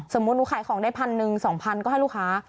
สมมุติหนูขายของได้๑๐๐๐๒๐๐๐ก็ให้ลูกค้า